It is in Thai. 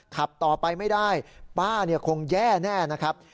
ขับต่อไปไม่ได้ป้าคงแย่แน่นะครับ